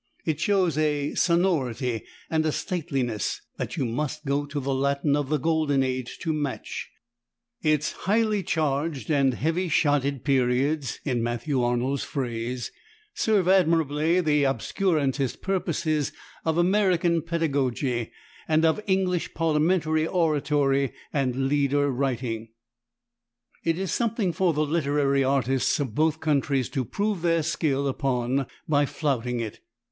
It shows a sonority and a stateliness that you must go to the Latin of the Golden Age to match; its "highly charged and heavy shotted" periods, in Matthew Arnold's phrase, serve admirably the obscurantist purposes of American pedagogy and of English parliamentary oratory and leader writing; it is something for the literary artists of both countries to prove their skill upon by flouting it.